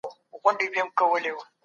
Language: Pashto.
موږ هڅه کوو.